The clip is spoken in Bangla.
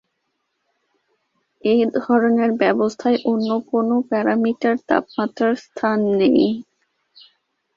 এ ধরনের ব্যবস্থায় অন্য কোনো প্যারামিটার তাপমাত্রার স্থান নেয়।